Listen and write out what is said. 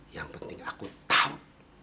yang penting aku tahu